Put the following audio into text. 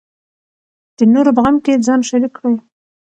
د نورو په غم کې ځان شریک کړئ.